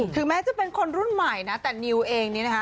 ถึงแม้จะเป็นคนรุ่นใหม่นะแต่นิวเองนี่นะคะ